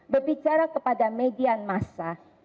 berbicara kepada median massa